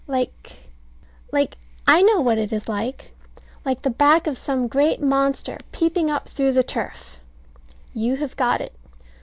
Like like I know what it is like. Like the back of some great monster peeping up through the turf. You have got it.